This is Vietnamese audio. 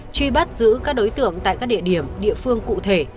truy bắt giữ các đối tượng tại các địa điểm địa phương cụ thể